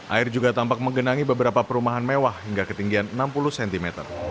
air juga tampak menggenangi beberapa perumahan mewah hingga ketinggian enam puluh cm